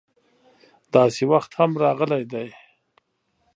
داسې وخت هم راغلی دی.